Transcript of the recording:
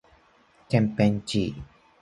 てんぺんちい